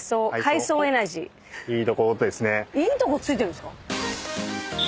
いいとこ突いてるんですか？